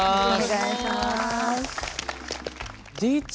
お願いします。